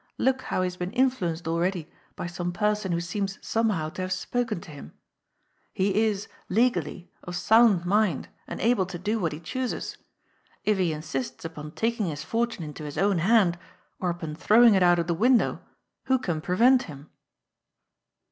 Look how he has been influenced already by some person who seems somehow to have spoken to him. He is, legally, of sound mind and able to do what he chooses. If he insists upon taking his fortune into his own hand, or upon throwing it out of window, who can prevent him